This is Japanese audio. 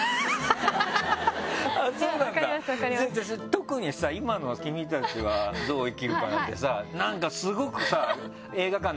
特にさ今の『君たちはどう生きるか』なんてさなんかスゴくさ。